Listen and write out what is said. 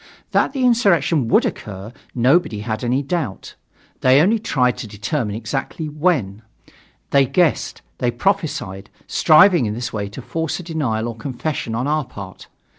That the insurrection would occur, nobody had any doubt. They only tried to determine exactly when; they guessed, they prophesied, striving in this way to force a denial or confession on our part.